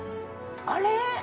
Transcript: あれ？